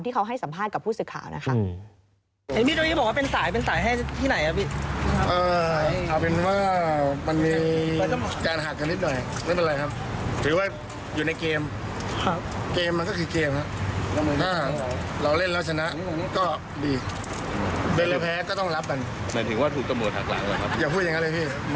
เขาให้สัมภาษณ์กับผู้สื่อข่าวนะคะ